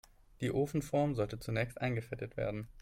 Die Ofenform sollte zunächst eingefettet werden.